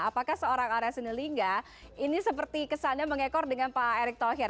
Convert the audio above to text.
apakah seorang arya sinulinga ini seperti kesannya mengekor dengan pak erick thohir